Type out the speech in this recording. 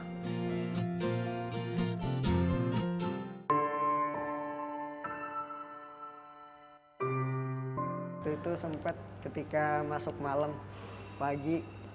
waktu itu sempat ketika masuk malam pagi